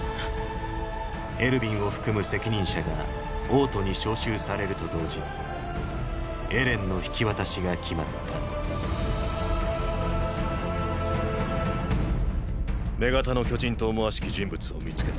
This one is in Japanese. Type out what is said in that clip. エルヴィンを含む責任者が王都に招集されると同時にエレンの引き渡しが決まった女型の巨人と思わしき人物を見つけた。